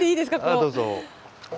あどうぞ。